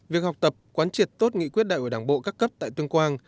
việc học tập quán triệt tốt nghị quyết đại của đảng bộ các cấp tại tương quang